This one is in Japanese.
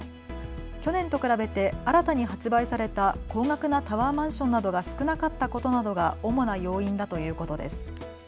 去年と比べて新たに発売された高額なタワーマンションなどが少なかったことなどが主な要因だということです。